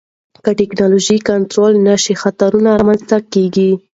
که ټکنالوژي کنټرول نشي، خطرونه رامنځته کېږي.